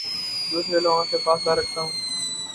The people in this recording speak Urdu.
دوسرے لوگوں سے فاصلہ رکھتا ہوں